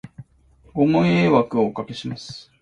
ご迷惑をお掛けします